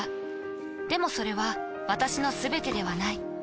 でもそれは私のすべてではない。